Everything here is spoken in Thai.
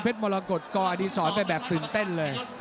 มรกฏกอดีศรไปแบบตื่นเต้นเลย